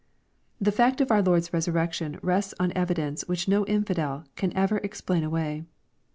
The fact of our Lord's resurrection rests on evidence which no infidel can ever explain away.